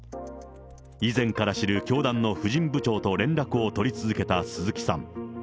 以前から知る教団の婦人部長と連絡を取り続けた鈴木さん。